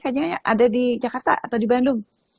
kayaknya ada di jakarta atau di bandung